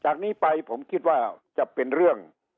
จากนี้ไปผมคิดว่าจะเป็นเรื่อง